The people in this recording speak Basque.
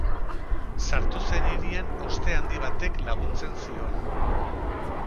Sartu zen hirian oste handi batek laguntzen ziola.